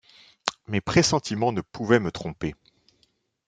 Mes pressentiments ne pouvaient me tromper.